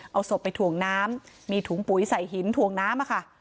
เอาศพไปถ่วงน้ำมีถุงปุ๋ยใส่หินถ่วงน้ำค่ะ